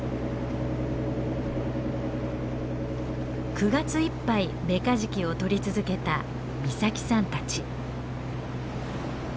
９月いっぱいメカジキをとり続けた岬さんたち。